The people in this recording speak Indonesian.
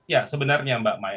ya sebenarnya mbak mai